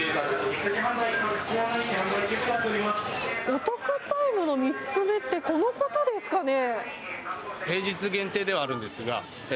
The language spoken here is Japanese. お得タイムの３つ目ってこのことですかね。